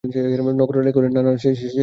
নক্ষত্ররায় কহিলেন, না না, সে কথা হইতেছে না।